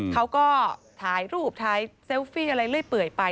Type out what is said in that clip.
เขาก็ถ่ายรูปถ่ายเซลฟี่อะไรเรื่อยเปื่อยไป